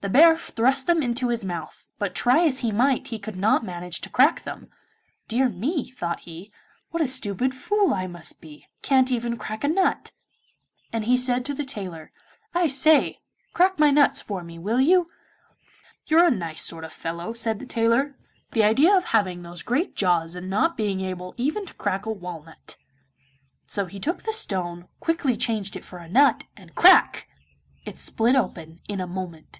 The bear thrust them into his mouth, but try as he might he could not manage to crack them. 'Dear me,' thought he, 'what a stupid fool I must be can't even crack a nut,' and he said to the tailor, 'I say, crack my nuts for me, will you?' 'You're a nice sort of fellow,' said the tailor; 'the idea of having those great jaws and not being able even to crack a walnut!' So he took the stone, quickly changed it for a nut, and crack! it split open in a moment.